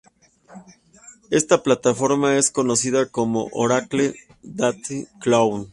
Esta plataforma es conocida como Oracle Data Cloud.